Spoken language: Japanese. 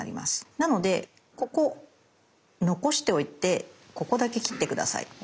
なのでここ残しておいてここだけ切って下さい。